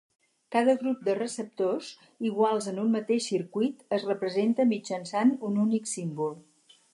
Cada grup de receptors iguals en un mateix circuit es representa mitjançant un únic símbol.